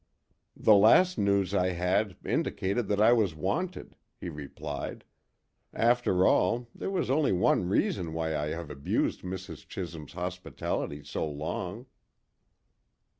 "The last news I had indicated that I was wanted," he replied. "After all, there was only one reason why I have abused Mrs. Chisholm's hospitality so long."